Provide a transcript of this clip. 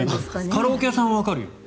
カラオケ屋さんはわかるよ。